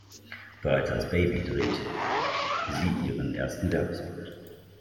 Bereits als Baby drehte sie ihren ersten Werbespot.